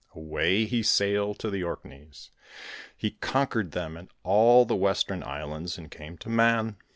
Away he sailed to the Orkneys; he conquered them and all the Western Islands, and came to Mann.